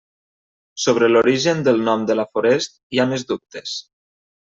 Sobre l'origen del nom de la forest hi ha més dubtes.